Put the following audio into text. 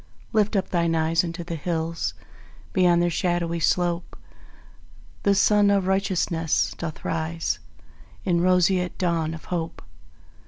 Lift up thine eyes unto the hills; Beyond their shadowy slope The Sun of Righteousness doth rise In roseate dawn of Hope.